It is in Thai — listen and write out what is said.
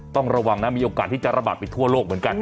ต้องระวังนะมีโอกาสที่จะระบาดไปทั่วโลกเหมือนกัน